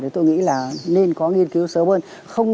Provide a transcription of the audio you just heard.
thì tôi nghĩ là nên có nghiên cứu sớm hơn